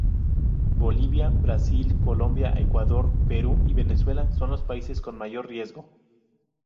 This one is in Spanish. Bolivia, Brasil, Colombia, Ecuador, Perú y Venezuela son los países con mayor riesgo.